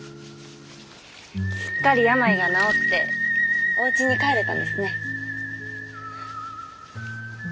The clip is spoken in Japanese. すっかり病が治っておうちに帰れたんですね。